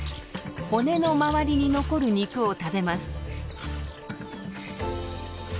骨のまわりに残る肉を食べます。